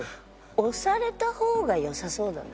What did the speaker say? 押された方がよさそうだね。